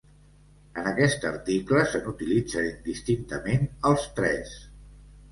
En aquest article se n'utilitzen, indistintament, els tres.